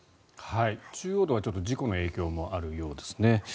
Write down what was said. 中央道は事故の影響もあるようですね。